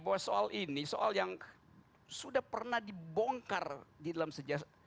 bahwa soal ini soal yang sudah pernah dibongkar di dalam sejarah